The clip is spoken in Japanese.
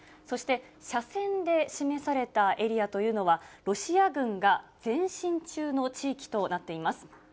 そして斜線で示されたエリアというのは、ロシア軍が前進中の地域となっています。